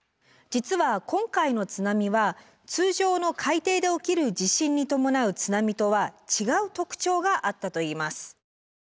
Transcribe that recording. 実は今回の津波は通常の海底で起きる地震に伴う津波とは違う特徴があったといいます。